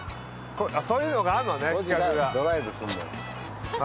そういう企画があんのね。